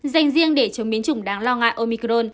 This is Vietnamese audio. dành riêng để chống biến chủng đáng lo ngại omicron